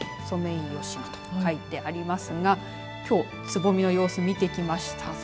ソメイヨシノと書いてありますがきょう、つぼみの様子見てきました。